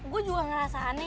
gue juga ngerasa aneh